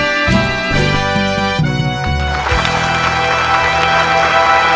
มีความรู้สึกว่ามีความรู้สึกว่า